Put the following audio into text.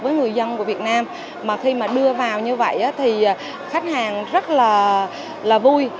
với người dân của việt nam mà khi mà đưa vào như vậy thì khách hàng rất là vui